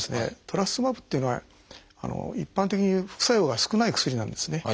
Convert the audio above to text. トラスツズマブっていうのは一般的に副作用が少ない薬なんですね。